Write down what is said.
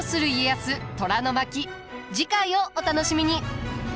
次回をお楽しみに。